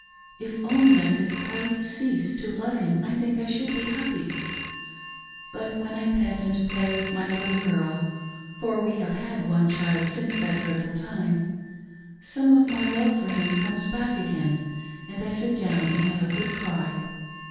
If only I could quite cease to love him I think I should be happy ; but when I pet and play with my little girl — for we have had one child since that dreadful time — some of my love for him comes back again, and I sit down and have a good cry.